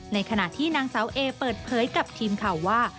ในขณะที่นางสาวเอเปิดเผยกับทีมข่าวว่า